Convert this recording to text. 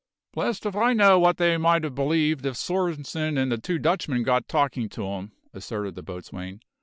"Blest if I know what they mightn't believe if Svorenssen and the two Dutchmen got talkin' to 'em," asserted the boatswain.